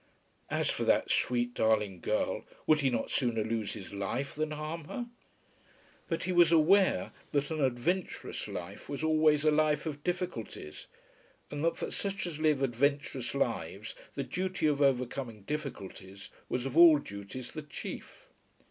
As for that sweet, darling girl, would he not sooner lose his life than harm her? But he was aware that an adventurous life was always a life of difficulties, and that for such as live adventurous lives the duty of overcoming difficulties was of all duties the chief.